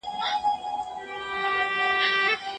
د جرګي په پایلو به ټول ولس خوښېده.